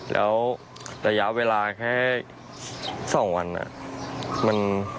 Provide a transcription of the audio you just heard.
แล้วระยะเวลาแค่๒วัน